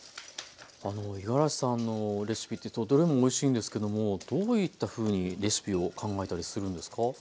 あのいがらしさんのレシピってどれもおいしいんですけどもどういったふうにレシピを考えたりするんですか？